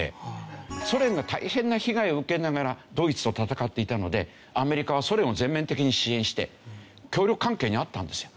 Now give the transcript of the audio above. ソ連が大変な被害を受けながらドイツと戦っていたのでアメリカはソ連を全面的に支援して協力関係にあったんですよ。